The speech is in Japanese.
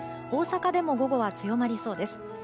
大阪でも午後は強まりそうです。